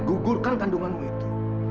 gugurkan kandunganmu itu